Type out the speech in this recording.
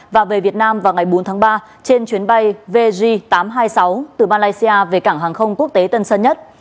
và về việt nam vào ngày bốn tháng ba trên chuyến bay vg tám trăm hai mươi sáu từ malaysia về cảng hàng không quốc tế tân sơn nhất